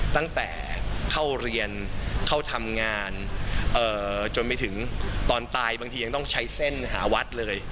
ตั้งแต่เข้าเรียนเข้าทำงานจนไปถึงตอนตายบางทียังต้องใช้เส้นหาวัดเลย